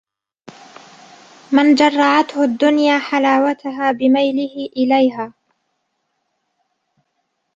مَنْ جَرَّعَتْهُ الدُّنْيَا حَلَاوَتَهَا بِمَيْلِهِ إلَيْهَا